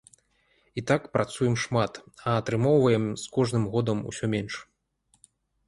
І так працуем шмат, а атрымоўваем з кожным годам усе менш.